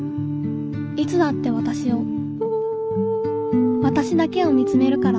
いつだってわたしをわたしだけを見つめるから